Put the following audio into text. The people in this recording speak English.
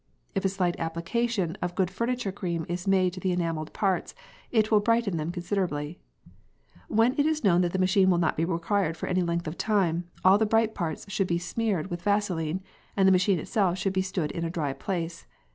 If a slight application of a good furniture cream is made to the enamelled parts, it will brighten them considerably. Whenit is known that the machine will not be required for any length of time, all the bright parts should be smeared with Vaseline, and the machine itself should be stood in a dry place.